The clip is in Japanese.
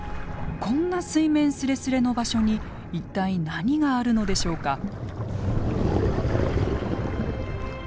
こんな水面すれすれの場所に一体何があるのでしょうか？